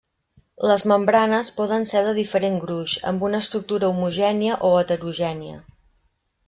Les membranes poden ser de diferent gruix, amb una estructura homogènia o heterogènia.